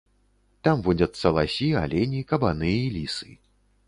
Там водзяцца ласі, алені, кабаны і лісы.